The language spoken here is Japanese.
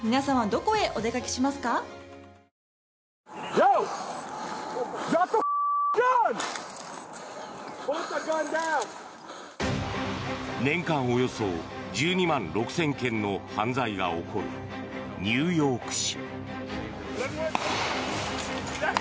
ニトリ年間およそ１２万６０００件の犯罪が起こるニューヨーク市。